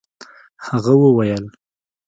هغه وويل.